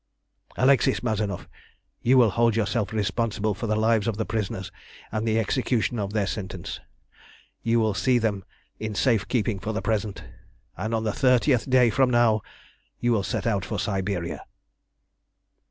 "Alexis Mazanoff, you will hold yourself responsible for the lives of the prisoners, and the execution of their sentence. You will see them in safe keeping for the present, and on the thirtieth day from now you will set out for Siberia."